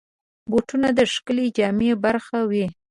بوټونه د ښکلې جامې برخه وي.